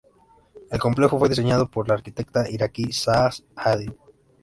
El complejo fue diseñado por la arquitecta iraquí Zaha Hadid.